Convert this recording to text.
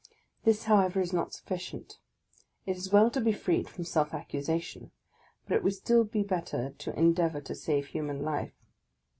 This, however, is not sufficient; it is well to be freed from self accusation, but it would be still better to endeavour to save human life.